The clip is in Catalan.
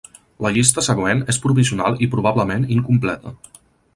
La llista següent és provisional i probablement incompleta.